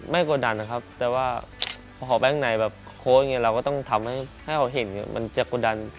ไม่กดดันนะครับแต่ว่าหอบแห้งในแบบโค้ชเราก็ต้องทำให้เขาเห็นมันจะกดดัน